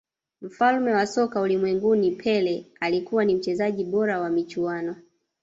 mfalme wa soka ulimwenguni pele alikuwa ni mchezaji bora wa michuano